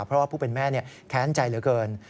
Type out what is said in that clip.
เพราะว่าผู้เป็นแม่แค้นใจเหลือเกิน